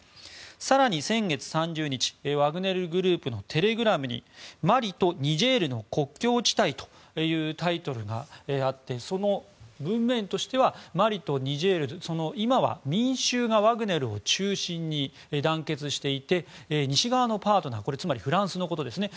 更に、先月３０日ワグネルグループのテレグラムにマリとニジェールの国境地帯というタイトルがあってその文面としてはマリのニジェール、今は民衆がワグネルを中心に団結していて西側のパートナーつまりフランスのことですね。